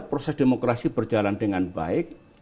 proses demokrasi berjalan dengan baik